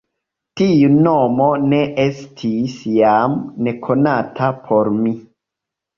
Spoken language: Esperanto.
Tiu nomo ne estis jam nekonata por mi.